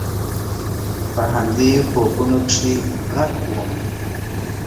په همدې خوبونو کې غرق ووم.